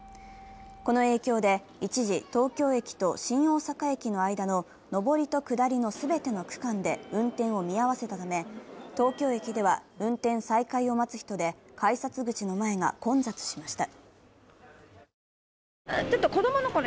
この影響で、一時、東京駅と新大阪駅の間の上りと下りの全ての区間で運転を見合わせたため東京駅では運転再開を待つ人で改札口の前が混雑しました。